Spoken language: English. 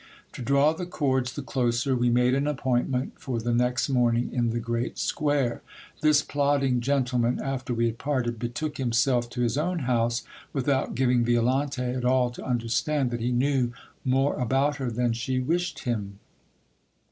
To draw the cords the closer, we made an appointment for the next morning in the great square. This plotting gentleman, after we had parted, betook himself to his own house, without giv ing Violante at all to understand that he knew more about her than she wished him.